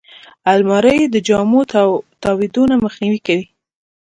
الماري د جامو تاویدو نه مخنیوی کوي